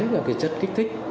và cái chất kích thích